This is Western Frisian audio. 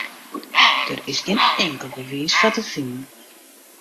Dêr is gjin inkeld bewiis foar te finen.